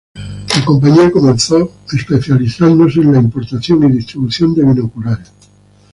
La compañía comenzó especializándose en la importación y distribución de binoculares.